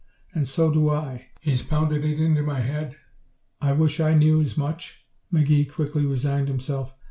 And so do I! He's pounded it into my head." "I wish I knew as much," McGee quickly resigned himself.